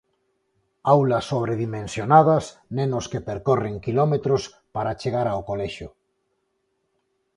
Aulas sobredimensionadas, nenos que percorren quilómetros para chegar ao colexio.